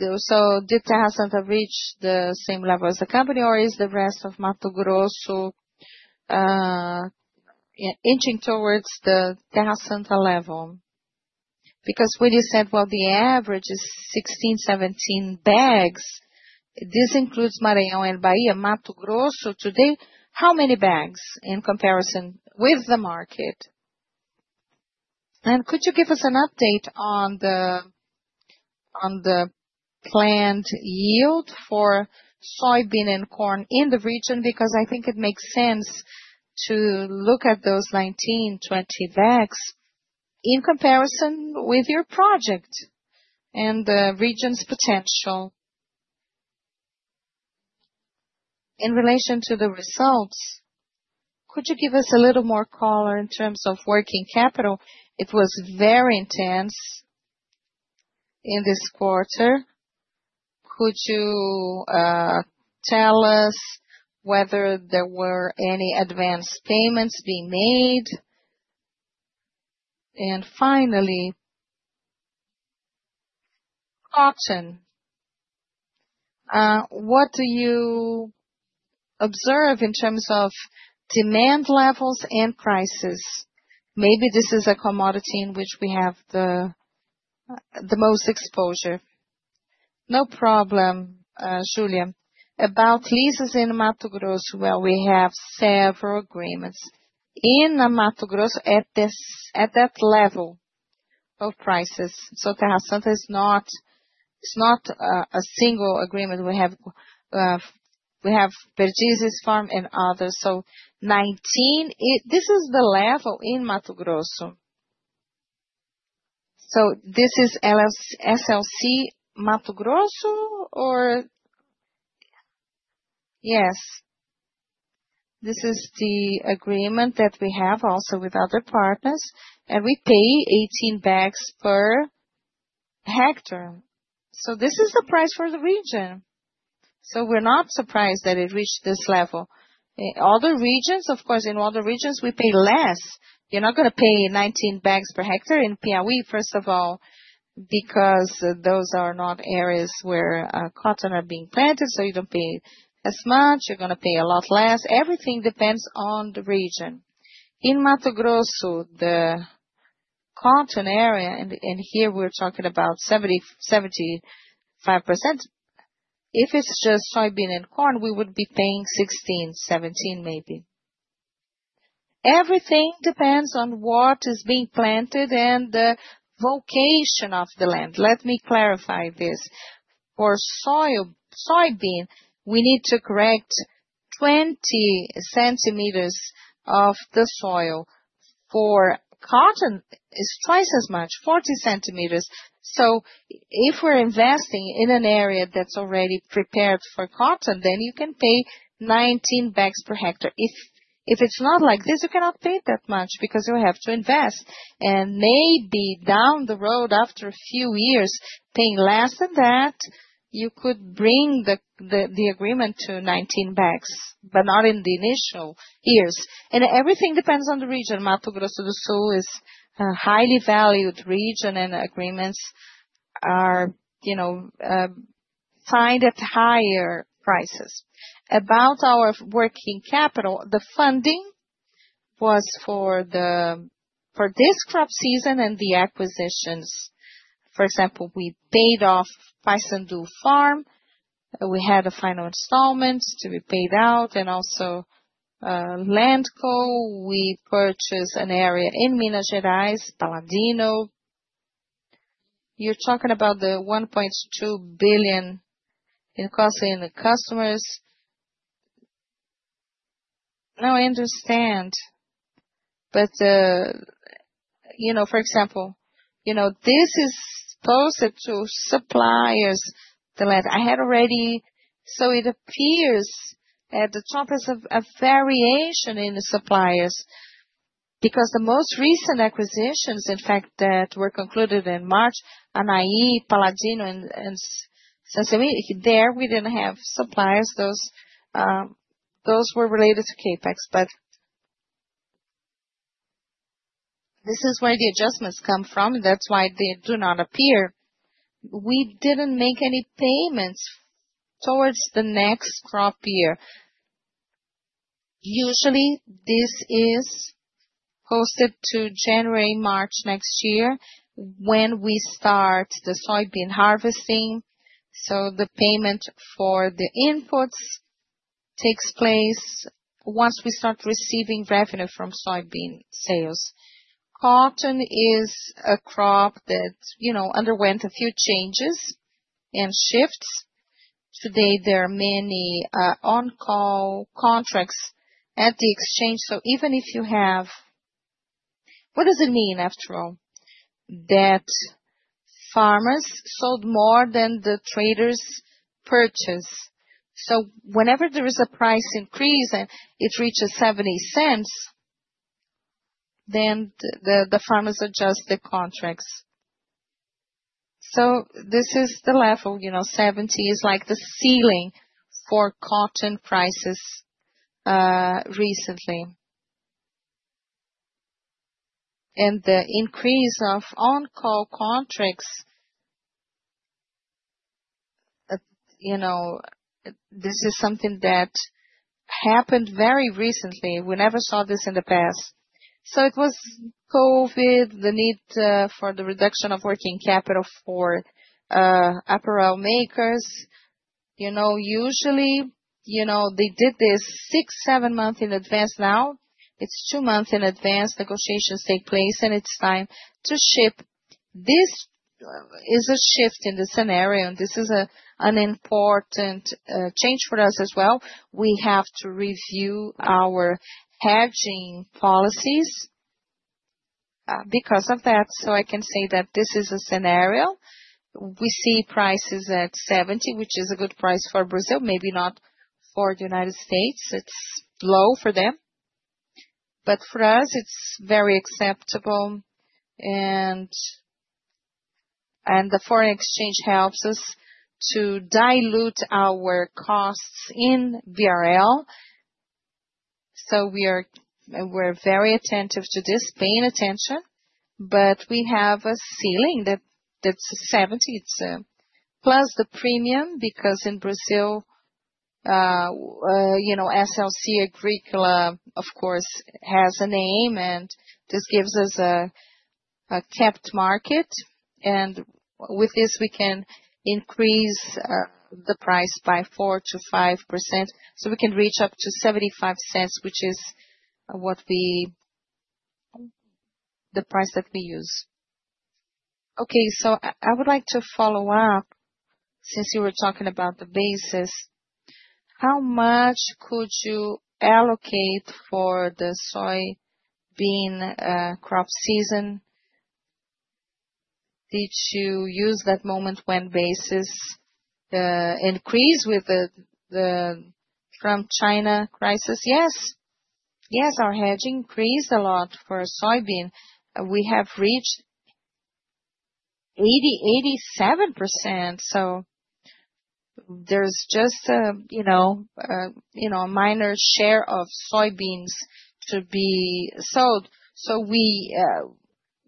Did Terra Santa reach the same level as the company, or is the rest of Mato Grosso inching towards the Terra Santa level? When you said the average is 16-17 bags, this includes Marião and Bahia. Mato Grosso today, how many bags in comparison with the market? Could you give us an update on the planned yield for soybean and corn in the region? Because I think it makes sense to look at those 19, 20 bags in comparison with your project and the region's potential. In relation to the results, could you give us a little more color in terms of working capital? It was very intense in this quarter. Could you tell us whether there were any advanced payments being made? Finally, cotton, what do you observe in terms of demand levels and prices? Maybe this is a commodity in which we have the most exposure. No problem, Julia. About leases in Mato Grosso, we have several agreements in Mato Grosso at that level of prices. Terra Santa is not a single agreement. We have Perdizes Farm and others. Nineteen, this is the level in Mato Grosso. This is SLC Mato Grosso, or? Yes. This is the agreement that we have also with other partners. We pay 18 bags per hectare. This is the price for the region. We're not surprised that it reached this level. In other regions, we pay less. You're not going to pay 19 bags per hectare in Piauí, first of all, because those are not areas where cotton is being planted. You do not pay as much. You pay a lot less. Everything depends on the region. In Mato Grosso, the cotton area, and here we're talking about 75%, if it's just soybean and corn, we would be paying 16-17 maybe. Everything depends on what is being planted and the vocation of the land. Let me clarify this. For soybean, we need to correct 20 cm of the soil. For cotton, it's twice as much, 40 cm. If we are investing in an area that is already prepared for cotton, then you can pay 19 bags per hectare. If it is not like this, you cannot pay that much because you have to invest. Maybe down the road, after a few years, paying less than that, you could bring the agreement to 19 bags, but not in the initial years. Everything depends on the region. Mato Grosso do Sul is a highly valued region, and agreements are signed at higher prices. About our working capital, the funding was for this crop season and the acquisitions. For example, we paid off Paissandu Farm. We had a final installment to be paid out. Also, LandCo, we purchased an area in Minas Gerais, Paladino. You are talking about the 1.2 billion in costing the customers. No, I understand. For example, this is posted to suppliers, the land. I had already. It appears at the top is a variation in the suppliers because the most recent acquisitions, in fact, that were concluded in March, Unaí, Paladino, and Saint-Séverin, there we did not have suppliers. Those were related to CapEx. This is where the adjustments come from, and that is why they do not appear. We did not make any payments towards the next crop year. Usually, this is posted to January-March next year when we start the soybean harvesting. The payment for the inputs takes place once we start receiving revenue from soybean sales. Cotton is a crop that underwent a few changes and shifts. Today, there are many on-call contracts at the exchange. Even if you have, what does it mean, after all, that farmers sold more than the traders purchased? Whenever there is a price increase and it reaches $0.70, then the farmers adjust the contracts. This is the level. Seventy is like the ceiling for cotton prices recently. The increase of on-call contracts, this is something that happened very recently. We never saw this in the past. It was COVID, the need for the reduction of working capital for apparel makers. Usually, they did this six, seven months in advance. Now, it is two months in advance. Negotiations take place, and it is time to ship. This is a shift in the scenario, and this is an important change for us as well. We have to review our hedging policies because of that. I can say that this is a scenario. We see prices at $70, which is a good price for Brazil, maybe not for the United States. It is low for them. For us, it is very acceptable. The foreign exchange helps us to dilute our costs in BRL. We are very attentive to this, paying attention. We have a ceiling that is 70. [inaudible] It is plus the premium because in Brazil, SLC Agrícola, of course, has a name, and this gives us a capped market. With this, we can increase the price by 4%-5%. We can reach up to $0.75, which is the price that we use. Okay. I would like to follow up since you were talking about the basis. How much could you allocate for the soybean crop season? Did you use that moment when basis increased with the Trump-China crisis? Yes. Yes, our hedging increased a lot for soybean. We have reached 80-87%. There is just a minor share of soybeans to be sold. We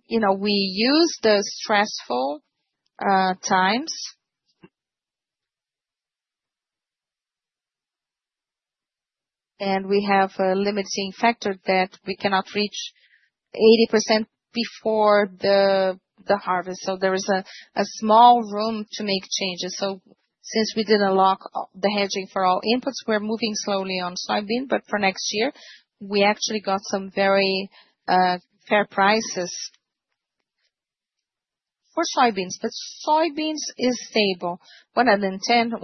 use the stressful times. We have a limiting factor that we cannot reach 80% before the harvest. There is a small room to make changes. Since we did not lock the hedging for all inputs, we are moving slowly on soybean. For next year, we actually got some very fair prices for soybeans. Soybeans is stable, 110-120.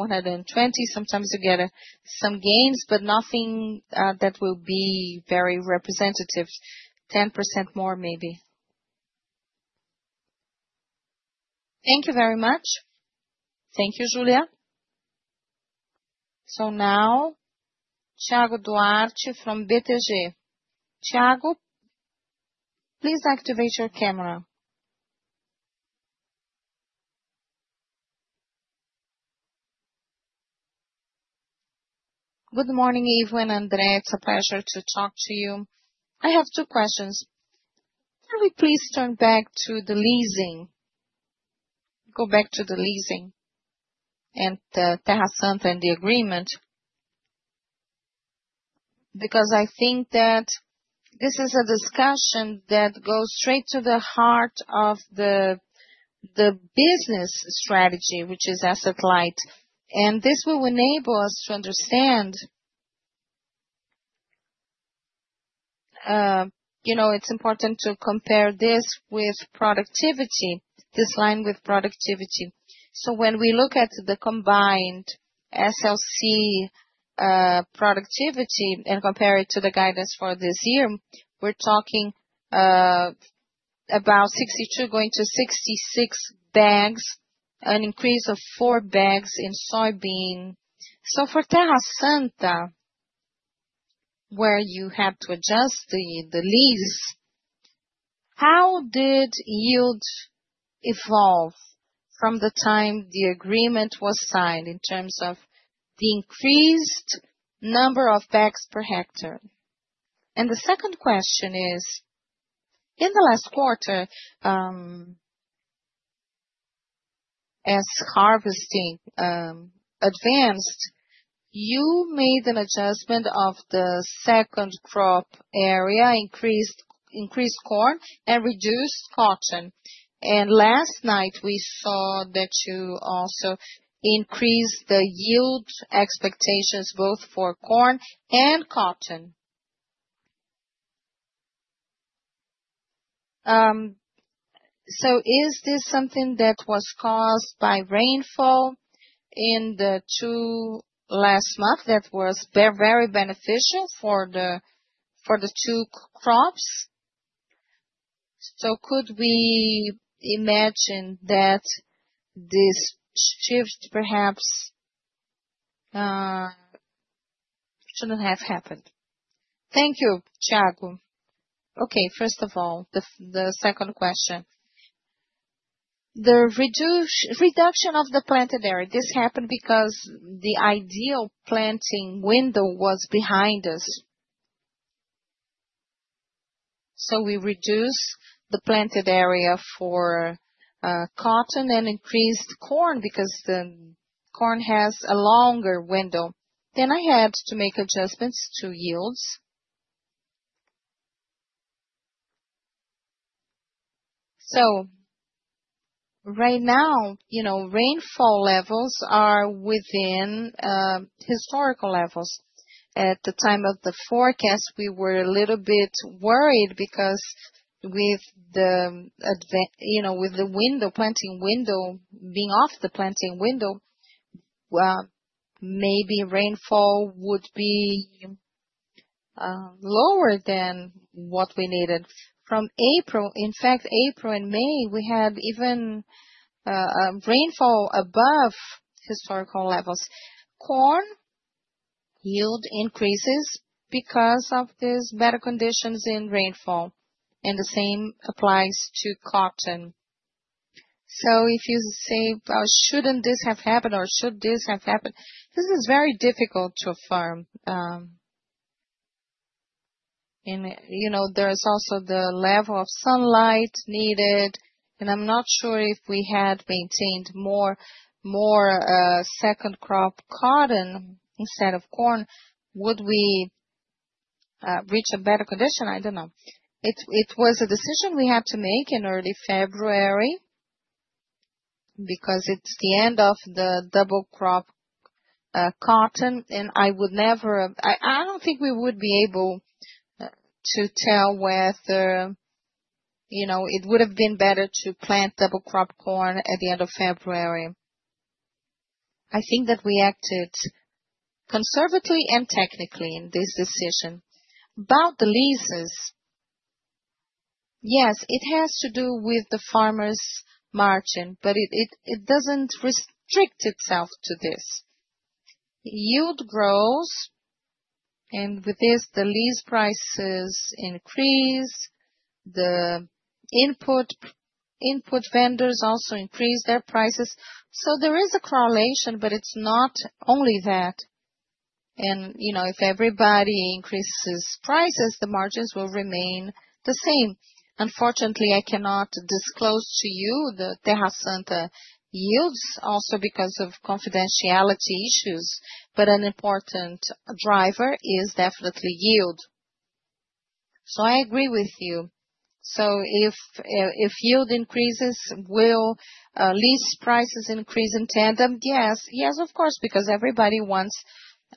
Sometimes you get some gains, but nothing that will be very representative, 10% more maybe. Thank you very much. Thank you, Julia. Now, Tiago Duarte from BTG. Tiago, please activate your camera. Good morning, Ivo and Andrea. It is a pleasure to talk to you. I have two questions. Can we please turn back to the leasing? Go back to the leasing and Terra Santa and the agreement? Because I think that this is a discussion that goes straight to the heart of the business strategy, which is asset light. This will enable us to understand it's important to compare this with productivity, this line with productivity. When we look at the combined SLC productivity and compare it to the guidance for this year, we're talking about 62-66 bags, an increase of 4 bags in soybean. For Terra Santa, where you had to adjust the lease, how did yield evolve from the time the agreement was signed in terms of the increased number of bags per hectare? The second question is, in the last quarter, as harvesting advanced, you made an adjustment of the second crop area, increased corn and reduced cotton. Last night, we saw that you also increased the yield expectations both for corn and cotton. Is this something that was caused by rainfall in the last two months that was very beneficial for the two crops? Could we imagine that this shift perhaps should not have happened? Thank you, Tiago. Okay. First of all, the second question. The reduction of the planted area, this happened because the ideal planting window was behind us. We reduced the planted area for cotton and increased corn because corn has a longer window. I had to make adjustments to yields. Right now, rainfall levels are within historical levels. At the time of the forecast, we were a little bit worried because with the window, planting window being off the planting window, maybe rainfall would be lower than what we needed. From April, in fact, April and May, we had even rainfall above historical levels. Corn yield increases because of these better conditions in rainfall. The same applies to cotton. If you say, "Shouldn't this have happened?" or "Should this have happened?" this is very difficult to affirm. There is also the level of sunlight needed. I am not sure if we had maintained more second crop cotton instead of corn, would we reach a better condition? I do not know. It was a decision we had to make in early February because it is the end of the double crop cotton. I would never—I do not think we would be able to tell whether it would have been better to plant double crop corn at the end of February. I think that we acted conservatively and technically in this decision. About the leases, yes, it has to do with the farmers' margin, but it does not restrict itself to this. Yield grows, and with this, the lease prices increase. The input vendors also increase their prices. There is a correlation, but it's not only that. If everybody increases prices, the margins will remain the same. Unfortunately, I cannot disclose to you the Terra Santa yields also because of confidentiality issues. An important driver is definitely yield. I agree with you. If yield increases, will lease prices increase in tandem? Yes. Yes, of course, because everybody wants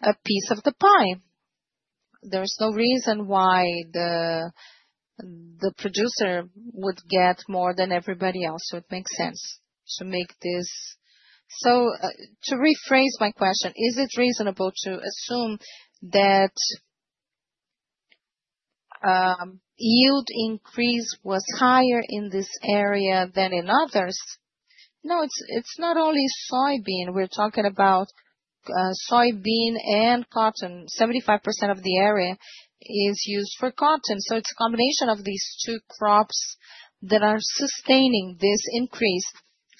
a piece of the pie. There is no reason why the producer would get more than everybody else. It makes sense to make this. To rephrase my question, is it reasonable to assume that yield increase was higher in this area than in others? No, it's not only soybean. We're talking about soybean and cotton. 75% of the area is used for cotton. It's a combination of these two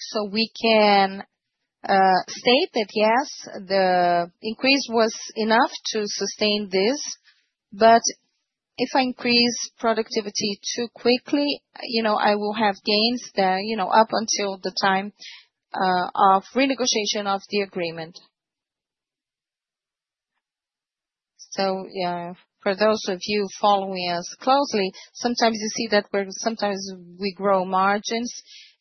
crops that are sustaining this increase. We can state that, yes, the increase was enough to sustain this. If I increase productivity too quickly, I will have gains up until the time of renegotiation of the agreement. For those of you following us closely, sometimes you see that we grow margins,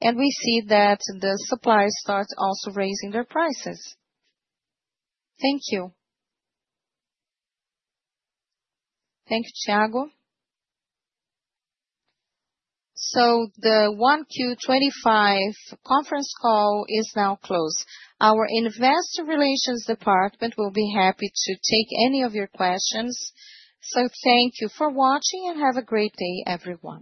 and we see that the suppliers start also raising their prices. Thank you. Thank you, Tiago. The 1Q25 conference call is now closed. Our Investor Relations department will be happy to take any of your questions. Thank you for watching, and have a great day, everyone.